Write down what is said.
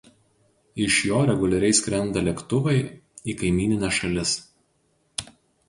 Iš jo reguliariai skrenda lėktuvai į kaimynines šalis.